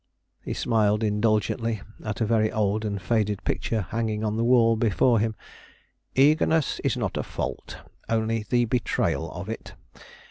He smiled indulgently at a very old and faded picture hanging on the wall before him. "Eagerness is not a fault; only the betrayal of it.